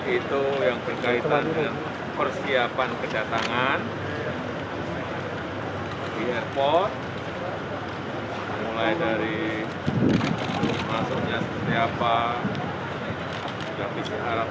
itu yang berkaitan dengan persiapan kedatangan di airport